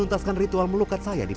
untuk menjaga keberadaan kita